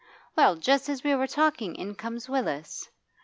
Well, just as we were talking in comes Willis.